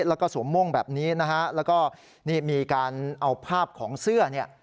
แล้วก็สวมโม่งแบบนี้นะฮะแล้วก็นี่มีการเอาภาพของเสื้อเนี่ย